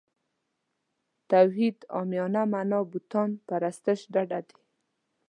توحید عامیانه معنا بوتانو پرستش ډډه دی.